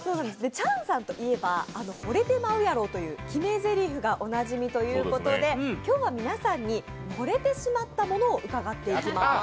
チャンさんといえば「惚れてまうやろー」という決めぜりふがおなじみということで今日は皆さんにほれてしまったものをご紹介いただきます。